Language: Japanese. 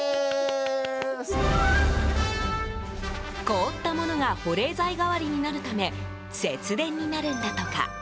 凍ったものが保冷剤代わりになるため節電になるんだとか。